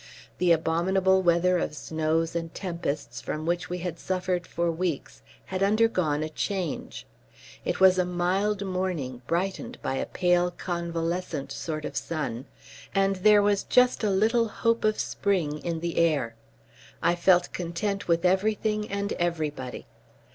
The abominable weather of snows and tempests from which we had suffered for weeks had undergone a change. It was a mild morning brightened by a pale convalescent sort of sun, and there was just a little hope of spring in the air. I felt content with everything and everybody.